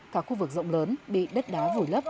cả khu vực rộng lớn bị đất đá vùi lấp